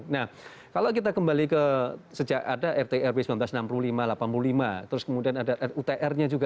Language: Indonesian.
nah kalau kita kembali ke sejak ada rt rw seribu sembilan ratus enam puluh lima delapan puluh lima terus kemudian ada utr nya juga seribu sembilan ratus delapan puluh lima dua ribu lima